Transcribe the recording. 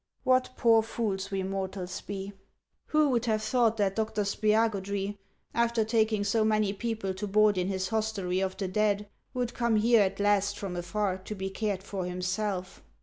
What poor fools we mortals be ! Who would ever have thought that Dr. Spiagudry, after taking so many people to board in his hostelry of the dead, would come here at last from afar to be cared for himself